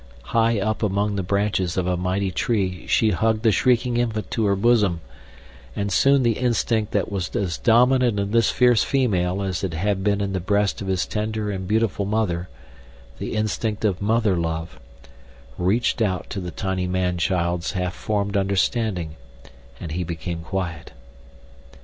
High up among the branches of a mighty tree she hugged the shrieking infant to her bosom, and soon the instinct that was as dominant in this fierce female as it had been in the breast of his tender and beautiful mother—the instinct of mother love—reached out to the tiny man child's half formed understanding, and he became quiet.